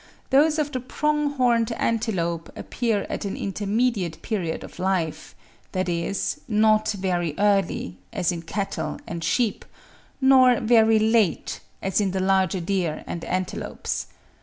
those of the prong horned antelope appear at an intermediate period of life,—that is, not very early, as in cattle and sheep, nor very late, as in the larger deer and antelopes.